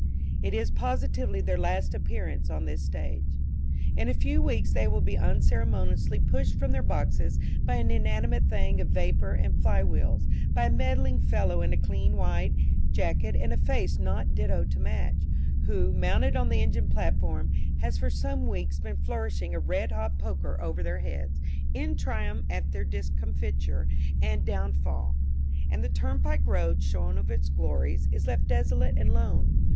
It is positively their last appearance on this stage. In a few weeks they will be unceremoniously pushed from their boxes by an inanimate thing of vapour and flywheels by a meddling fellow in a clean white jacket and a face not ditto to match, who, mounted on the engine platform, has for some weeks been flourishing a red hot poker over their heads, in triumph at their discomfiture and downfall; and the turnpike road, shorn of its glories, is left desolate and lone.